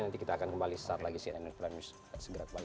nanti kita akan kembali sesaat lagi cnn prime news segera kembali